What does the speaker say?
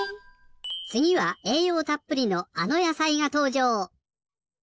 つぎはえいようたっぷりのあのやさいがとうじょう。